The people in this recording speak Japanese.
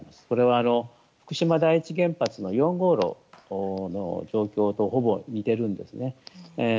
それは福島第一原発の４号炉の状況とほぼ似ているんですね。